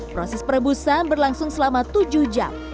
proses perebusan berlangsung selama tujuh jam